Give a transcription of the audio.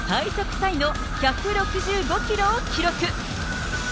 タイの１６５キロを記録。